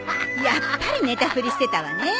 やっぱり寝たふりしてたわね。